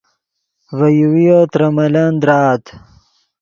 ڤے یوویو ترے ملن درآت